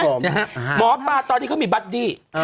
เนี่ยฮะหมอปลาตอนนี้เขามีบัดดี้